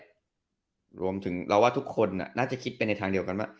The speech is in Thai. แล้วรวมที่เราว่าทุกคนน่าจะคิดไปทางเดียวกัน